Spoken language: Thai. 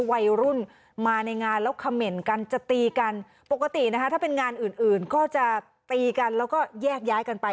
วัยรุ่นมาในงานแล้วเขม่นกันจะตีกันปกตินะคะถ้าเป็นงานอื่นอื่นก็จะตีกันแล้วก็แยกย้ายกันไป